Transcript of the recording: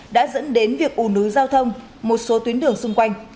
đã dẫn đến việc ủ nứ giao thông một số tuyến đường xung quanh